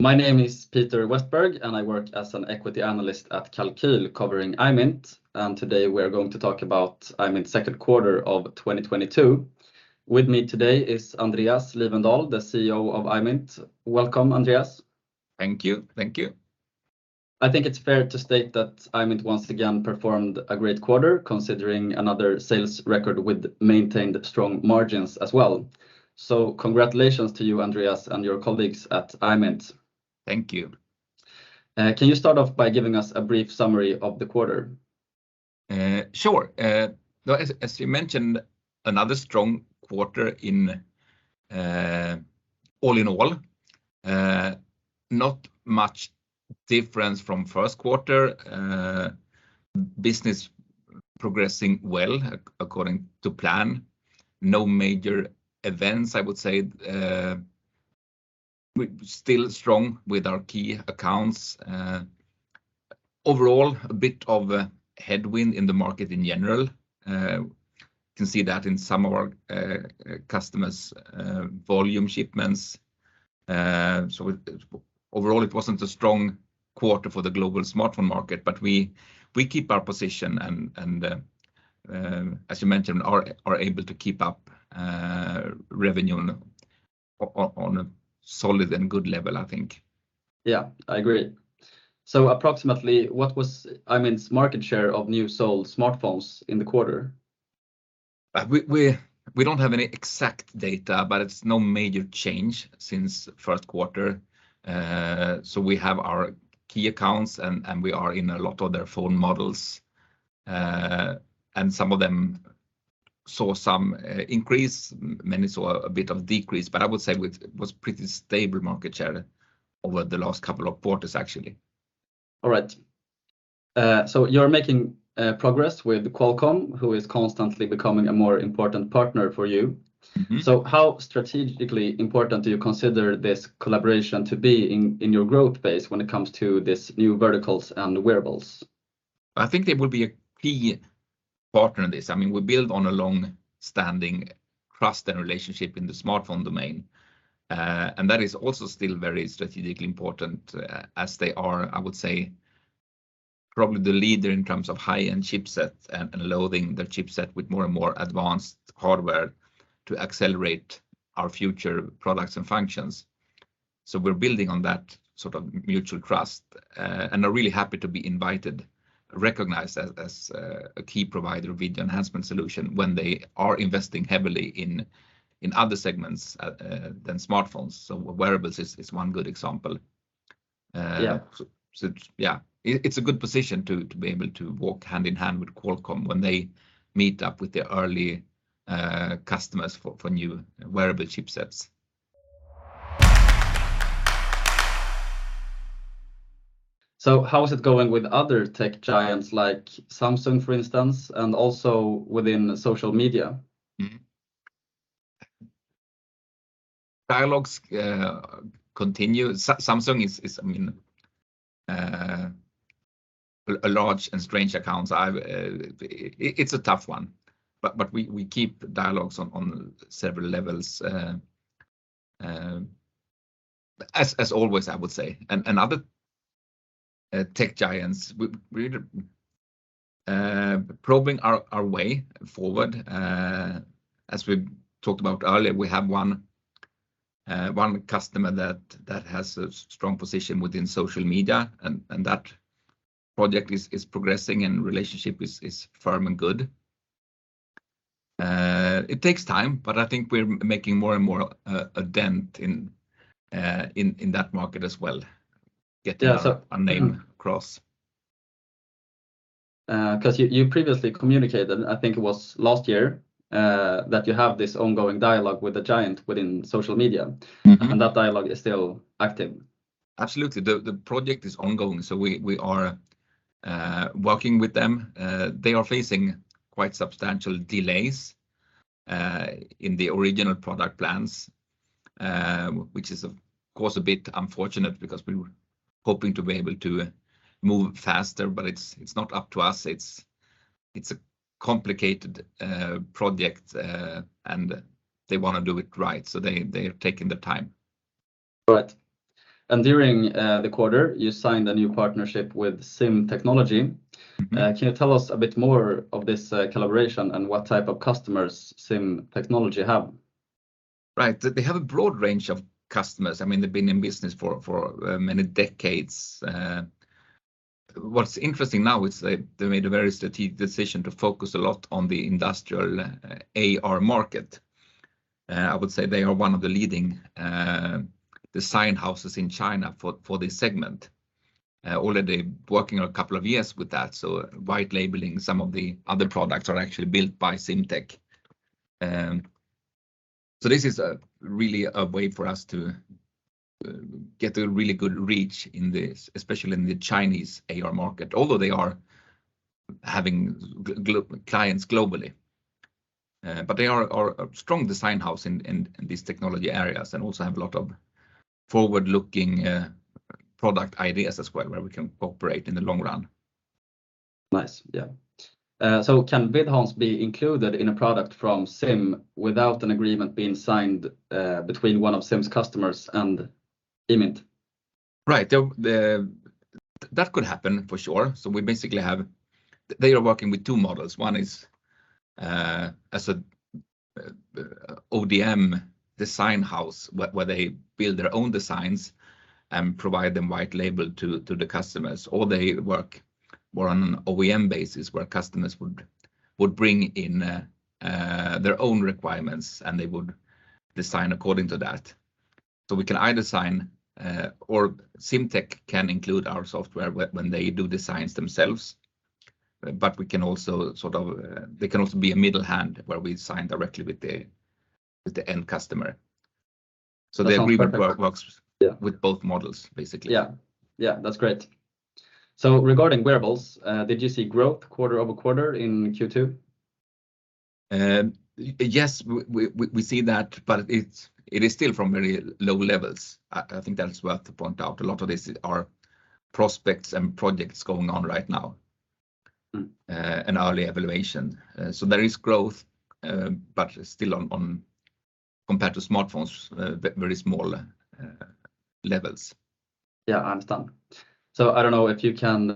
My name is Peter Westberg, and I work as an equity analyst at Kalqyl covering IMINT. Today we're going to talk about IMINT second quarter of 2022. With me today is Andreas Lifvendahl, the CEO of IMINT. Welcome, Andreas. Thank you. Thank you. I think it's fair to state that IMINT once again performed a great quarter considering another sales record with maintained strong margins as well. Congratulations to you, Andreas, and your colleagues at IMINT. Thank you. Can you start off by giving us a brief summary of the quarter? Sure. As you mentioned, another strong quarter in all in all. Not much difference from first quarter. Business progressing well according to plan. No major events, I would say. We're still strong with our key accounts. Overall, a bit of a headwind in the market in general. Can see that in some of our customers' volume shipments. Overall, it wasn't a strong quarter for the global smartphone market, but we keep our position and, as you mentioned, are able to keep up revenue on a solid and good level, I think. Yeah, I agree. Approximately what was Imint's market share of new sold smartphones in the quarter? We don't have any exact data, but it's no major change since first quarter. We have our key accounts and we are in a lot of their phone models. Some of them saw some increase, many saw a bit of decrease, but I would say we was pretty stable market share over the last couple of quarters, actually. All right. You're making progress with Qualcomm, who is constantly becoming a more important partner for you. Mm-hmm. How strategically important do you consider this collaboration to be in your growth base when it comes to this new verticals and wearables? I think they will be a key partner in this. I mean, we build on a long-standing trust and relationship in the smartphone domain. That is also still very strategically important as they are, I would say, probably the leader in terms of high-end chipsets and loading their chipset with more and more advanced hardware to accelerate our future products and functions. We're building on that sort of mutual trust and are really happy to be invited, recognized as a key provider with the enhancement solution when they are investing heavily in other segments than smartphones. Wearables is one good example. Yeah Yeah, it's a good position to be able to walk hand-in-hand with Qualcomm when they meet up with the early customers for new wearable chipsets. How is it going with other tech giants like Samsung, for instance, and also within social media? Dialogues continue. Samsung is, I mean, a large and strange account, so it's a tough one, but we keep dialogues on several levels, as always, I would say. Other tech giants, we're probing our way forward, as we talked about earlier. We have one customer that has a strong position within social media and that project is progressing and relationship is firm and good. It takes time, but I think we're making more and more a dent in that market as well, getting Yeah. our name across. 'Cause you previously communicated, I think it was last year, that you have this ongoing dialogue with a giant within social media. Mm-hmm. That dialogue is still active. Absolutely. The project is ongoing, so we are working with them. They are facing quite substantial delays in the original product plans, which is of course a bit unfortunate because we were hoping to be able to move faster, but it's not up to us. It's a complicated project, and they wanna do it right, so they're taking their time. Right. During the quarter, you signed a new partnership with SIM Technology Group. Mm-hmm. Can you tell us a bit more of this collaboration and what type of customersSIM Technology Group have? Right. They have a broad range of customers. I mean, they've been in business for many decades. What's interesting now is they made a very strategic decision to focus a lot on the industrial AR market. I would say they are one of the leading design houses in China for this segment. Already working a couple of years with that, so white labeling some of the other products are actually built by SIM Tech. So this is really a way for us to get a really good reach in this, especially in the Chinese AR market, although they are having clients globally. They are a strong design house in these technology areas and also have a lot of forward-looking product ideas as well where we can operate in the long run. Nice. Yeah. Can Vidhance be included in a product from SIM without an agreement being signed between one of SIM's customers and Imint? That could happen, for sure. They are working with two models. One is as a ODM design house where they build their own designs and provide them white label to the customers. They work more on an OEM basis where customers would bring in their own requirements and they would design according to that. We can either sign or SIM Technology can include our software when they do designs themselves. They can also be a middle hand where we sign directly with the end customer. That's all perfect. The agreement works. Yeah With both models, basically. Yeah. Yeah, that's great. Regarding wearables, did you see growth quarter-over-quarter in Q2? Yes, we see that, but it's still from very low levels. I think that's worth to point out. A lot of this are prospects and projects going on right now. Mm an early evaluation. There is growth, but still on compared to smartphones, very small levels. Yeah, understand. I don't know if you can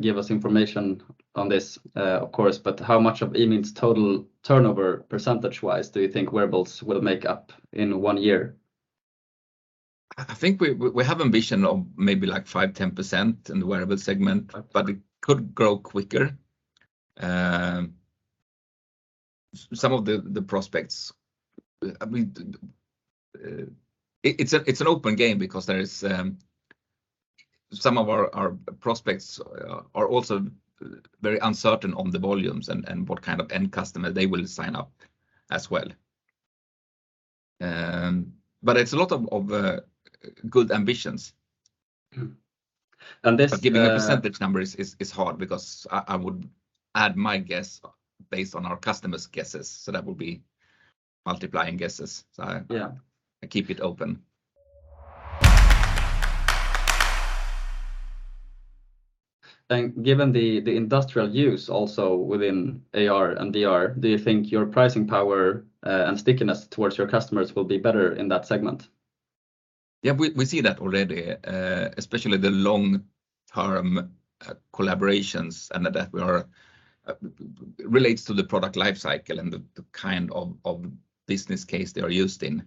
give us information on this, of course, but how much of IMINT's total turnover percentage-wise do you think wearables will make up in one year? I think we have ambition of maybe, like, 5%-10% in the wearable segment. Okay. It could grow quicker. Some of the prospects, I mean, it's an open game because there is some of our prospects are also very uncertain on the volumes and what kind of end customer they will sign up as well. It's a lot of good ambitions. Mm. And this, uh- Giving a percentage number is hard because I would add my guess based on our customers' guesses, so that would be multiplying guesses. Yeah I keep it open. Given the industrial use also within AR and VR, do you think your pricing power and stickiness towards your customers will be better in that segment? Yeah, we see that already, especially the long-term collaborations and that we are relates to the product life cycle and the kind of business case they are used in.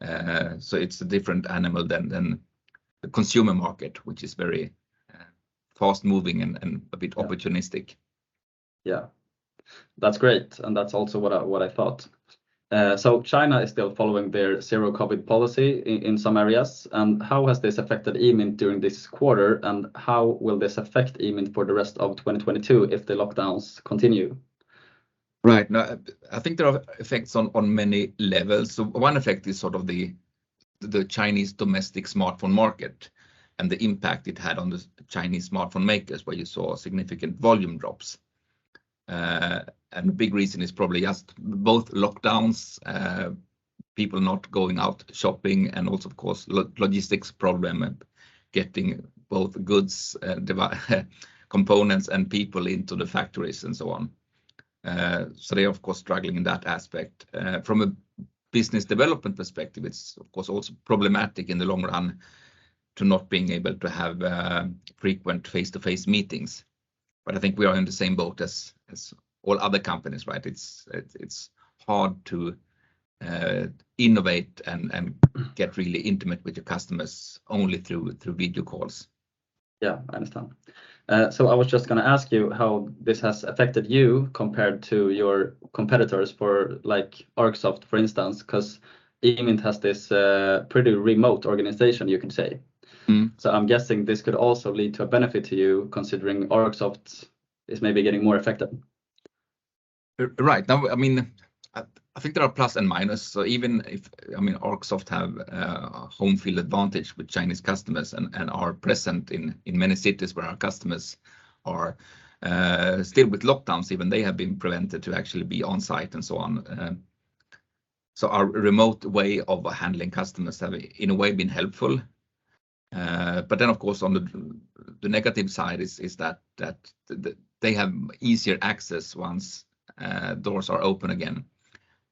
It's a different animal than the consumer market, which is very fast-moving and a bit opportunistic. Yeah. That's great, and that's also what I thought. China is still following their zero COVID policy in some areas, and how has this affected IMINT during this quarter, and how will this affect IMINT for the rest of 2022 if the lockdowns continue? Right. No, I think there are effects on many levels. One effect is sort of the Chinese domestic smartphone market and the impact it had on the Chinese smartphone makers, where you saw significant volume drops. The big reason is probably just both lockdowns, people not going out shopping, and also, of course, logistics problem and getting both goods, device components and people into the factories and so on. They're of course struggling in that aspect. From a business development perspective, it's of course also problematic in the long run to not being able to have frequent face-to-face meetings. I think we are in the same boat as all other companies, right? It's hard to innovate and get really intimate with your customers only through video calls. Yeah, understand. I was just gonna ask you how this has affected you compared to your competitors for, like, ArcSoft, for instance, 'cause IMINT has this, pretty remote organization, you can say. Mm. I'm guessing this could also lead to a benefit to you considering ArcSoft is maybe getting more affected. Right. Now, I mean, I think there are plus and minus. Even if, I mean, ArcSoft have a home field advantage with Chinese customers and are present in many cities where our customers are, still with lockdowns, even they have been prevented to actually be on site and so on. Our remote way of handling customers have in a way been helpful. Of course, on the negative side is that they have easier access once doors are open again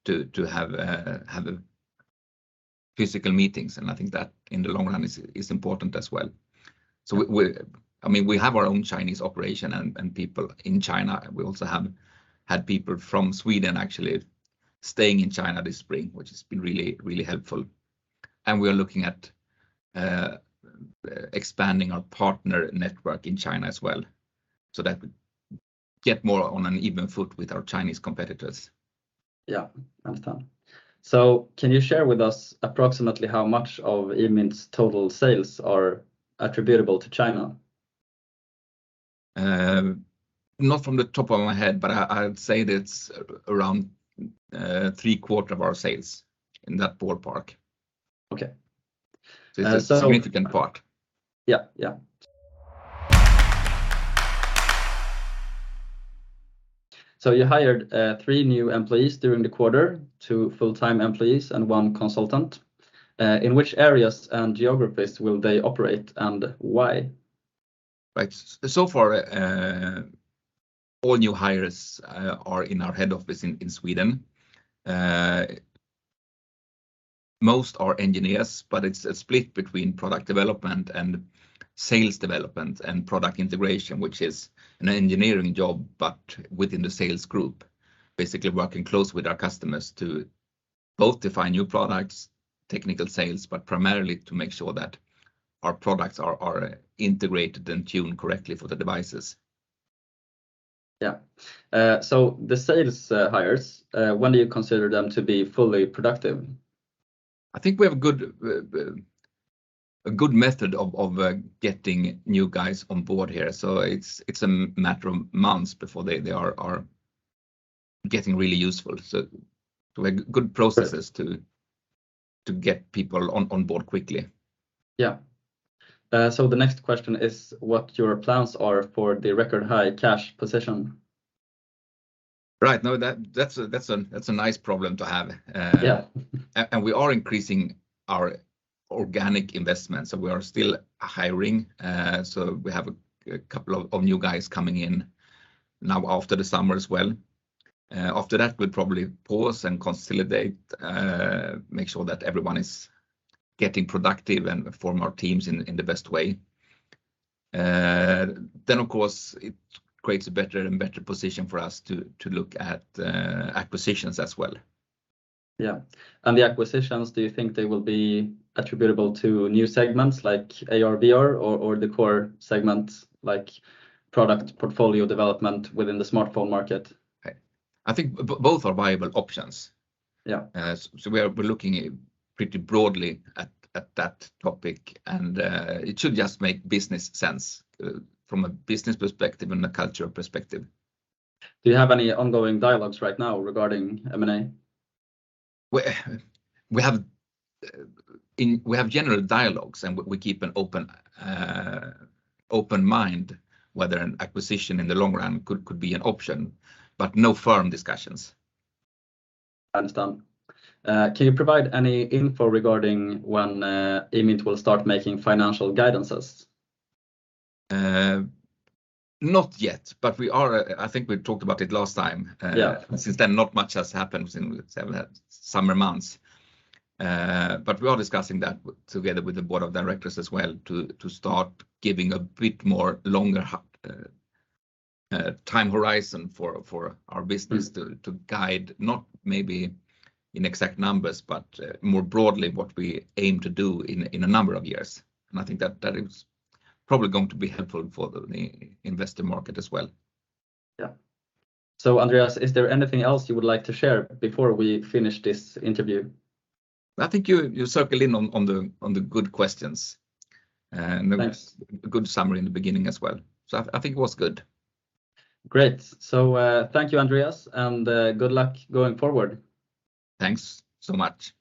to have physical meetings, and I think that in the long run is important as well. We have our own Chinese operation and people in China. We also have had people from Sweden actually staying in China this spring, which has been really helpful. We are looking at expanding our partner network in China as well, so that get more on an even footing with our Chinese competitors. Yeah. Understand. Can you share with us approximately how much of IMINT's total sales are attributable to China? Not from the top of my head, but I would say that it's around three-quarters of our sales, in that ballpark. Okay. It's a significant part. Yeah, yeah. You hired three new employees during the quarter, two full-time employees and one consultant. In which areas and geographies will they operate, and why? Right. So far, all new hires are in our head office in Sweden. Most are engineers, but it's a split between product development and sales development and product integration, which is an engineering job but within the sales group, basically working close with our customers to both define new products, technical sales, but primarily to make sure that our products are integrated and tuned correctly for the devices. Yeah. The sales hires, when do you consider them to be fully productive? I think we have a good method of getting new guys on board here. It's a matter of months before they are getting really useful. We have good processes- Right to get people on board quickly. Yeah. The next question is what your plans are for the record high cash position. Right. No, that's a nice problem to have. Yeah We are increasing our organic investments. We are still hiring, so we have a couple of new guys coming in now after the summer as well. After that, we'll probably pause and consolidate, make sure that everyone is getting productive and form our teams in the best way. Of course it creates a better and better position for us to look at acquisitions as well. Yeah. The acquisitions, do you think they will be attributable to new segments like AR/VR or the core segments like product portfolio development within the smartphone market? I think both are viable options. Yeah. We're looking pretty broadly at that topic, and it should just make business sense from a business perspective and a cultural perspective. Do you have any ongoing dialogues right now regarding M&A? We have general dialogues, and we keep an open mind whether an acquisition in the long run could be an option, but no firm discussions. Understand. Can you provide any info regarding when IMINT will start making financial guidances? Not yet, but we are. I think we talked about it last time. Yeah Since then, not much has happened in summer months. We are discussing that together with the board of directors as well to start giving a bit more longer time horizon for our business. Mm to guide, not maybe in exact numbers, but more broadly what we aim to do in a number of years, and I think that is probably going to be helpful for the investor market as well. Yeah. Andreas, is there anything else you would like to share before we finish this interview? I think you circled in on the good questions, and Thanks a good summary in the beginning as well. I think it was good. Great. Thank you, Andreas, and good luck going forward. Thanks so much.